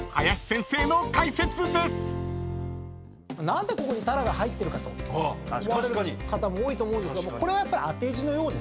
何でここに鱈が入ってるかと思われる方も多いと思うんですけどもこれはやっぱり。